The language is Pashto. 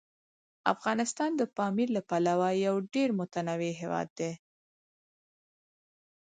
افغانستان د پامیر له پلوه یو ډېر متنوع هیواد دی.